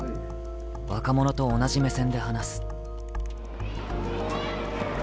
若者と同じ目線で話す。